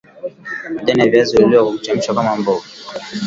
Majani ya viazi huliwa kwa kuchemshwa kama mboga